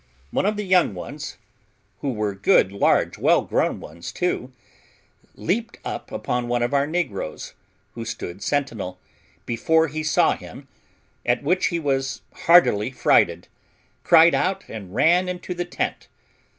One of the young ones who were good, large, well grown ones too leaped up upon one of our negroes, who stood sentinel, before he saw him, at which he was heartily frighted, cried out, and ran into the tent.